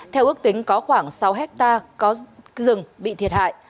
theo ước tính có khoảng sáu hectare có rừng bị thiệt hại